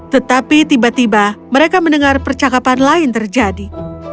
tetapi tiba tiba mereka mendengar percakapan lain terjadi